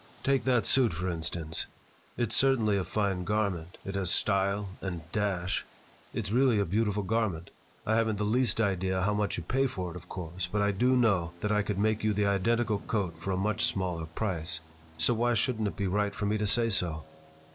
"Take that suit, for instance. It's certainly a fine garment. It has style and dash. It's really a beautiful garment. I haven't the least idea how much you pay for it, of course, but I do know that I could make you the identical coat for a much smaller price. So why shouldn't it be right for me to say so?"